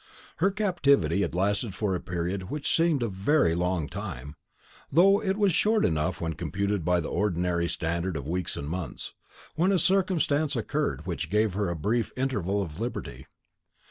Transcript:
Her captivity had lasted for a period which seemed a very long time, though it was short enough when computed by the ordinary standard of weeks and months, when a circumstance occurred which gave her a brief interval of liberty.